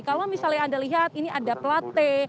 kalau misalnya anda lihat ini ada plate